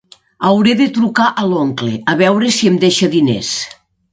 Hauré de trucar a l'oncle, a veure si em deixa diners.